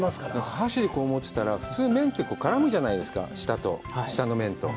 箸で持ってたら普通、麺って、絡むじゃないですか、下の麺と。